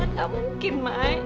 kan gak mungkin mai